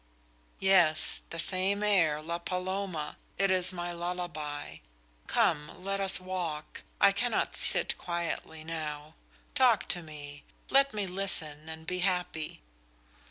"Yes, the same air, La Paloma. It is my lullaby. Come, let us walk. I cannot sit quietly now. Talk to me. Let me listen and be happy."